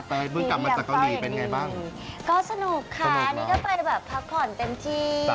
เพิ่งกลับมาจากเกาหลีเป็นไงบ้างก็สนุกค่ะอันนี้ก็ไปแบบพักผ่อนเต็มที่